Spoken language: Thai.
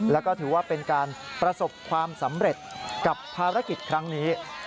แล้วก็ถือว่าเป็นการประสบความสำเร็จกับภารกิจครั้งนี้